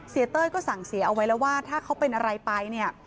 เต้ยก็สั่งเสียเอาไว้แล้วว่าถ้าเขาเป็นอะไรไปเนี่ย